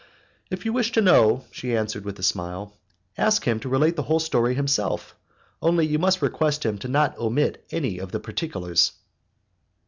"If you wish to know," she answered, with a smile, "ask him to relate the whole story himself, only you must request him not to omit any of the particulars."